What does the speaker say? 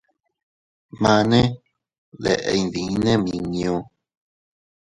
Mane, ¿deʼe iydinne nmiñu?.